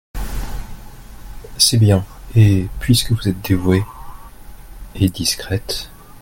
C’est bien, et, puisque vous êtes dévouée… et discrète…